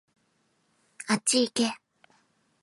あっちいけ